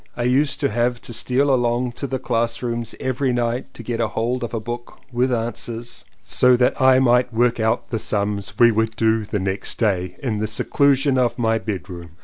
I used to have to steal along to the class rooms every night to get hold of a book "with answers" so that I might work out the sums we would do the next day, in the seclusion of my bedroom.